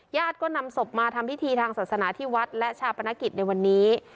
ญาติก็นำศพมาทำพิธีทางศาสนาที่วัดและชาปนกิจในวันนี้